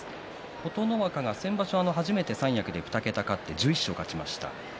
琴ノ若が初めて三役で２桁勝って、１１勝しました。